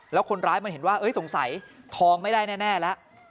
แล้วคนร้ายมันเห็นว่าสงสัยทองไม่ได้แน่แล้ว